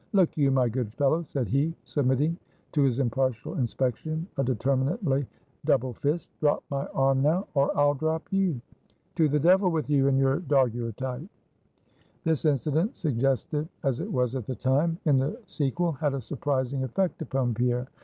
"Look you, my good fellow," said he, submitting to his impartial inspection a determinately double fist, "drop my arm now or I'll drop you. To the devil with you and your Daguerreotype!" This incident, suggestive as it was at the time, in the sequel had a surprising effect upon Pierre.